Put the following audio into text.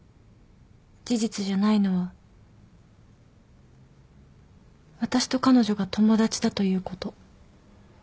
事実じゃないのは私と彼女が友達だということ。